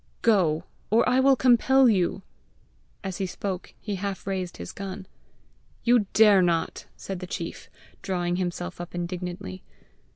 "Go, or I will compel you." As he spoke, he half raised his gun. "You dare not!" said the chief, drawing himself up indignantly.